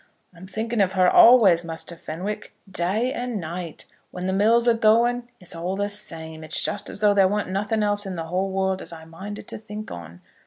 "I'm thinking of her always, Muster Fenwick; day and night. When the mill's agoing, it's all the same. It's just as though there warn't nothing else in the whole world as I minded to think on.